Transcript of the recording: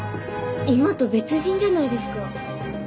今と別人じゃないですか。